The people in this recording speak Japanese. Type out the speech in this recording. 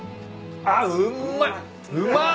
あっうんまい！